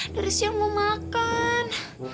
dari siang mau makan